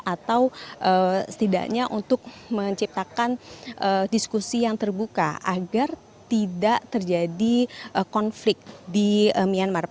atau setidaknya untuk menciptakan diskusi yang terbuka agar tidak terjadi konflik di myanmar